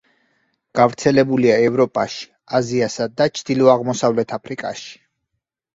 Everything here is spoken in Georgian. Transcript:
გავრცელებულია ევროპაში, აზიასა და ჩრდილო-აღმოსავლეთ აფრიკაში.